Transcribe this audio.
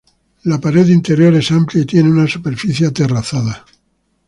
La pared interior es amplia y tiene una superficie aterrazada.